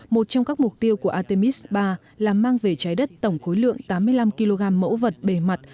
một trong các mục tiêu của artemis iii là mang về trái đất tổng khối lượng tám mươi năm kg mẫu vật bề mặt